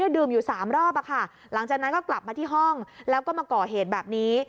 ดื่มอยู่๓รอบหลังจากนั้นก็กลับมาที่ห้องแล้วก็มาก่อเหตุแบบนี้